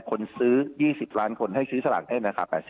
การซื้อ๒๐ล้านคนให้ซื้อสลากด้วยราคา๘๐บาท